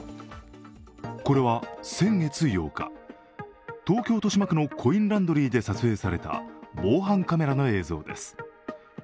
これは先月８日、東京・豊島区のコインランドリーで撮影された防犯カメラの映像です。